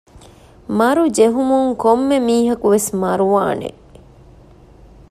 މަރު ޖެހުމުން ކޮންމެ މީހަކުވެސް މަރުވާނެ